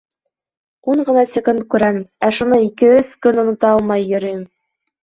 Ун ғына секунд күрәм, ә шуны ике-өс көн онота алмай йөрөйөм.